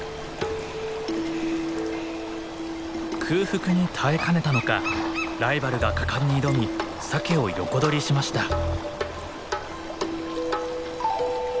空腹に耐えかねたのかライバルが果敢に挑みサケを横取りしました。